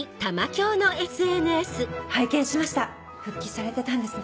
拝見しました復帰されてたんですね。